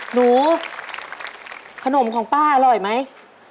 หนูขนมของป้าอร่อยไหม